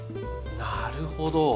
なるほど。